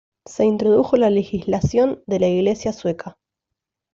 Se introdujo la legislación de la iglesia sueca.